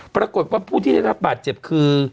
ปรากฏว่าผู้ที่ได้รับบาดเจ็บคือ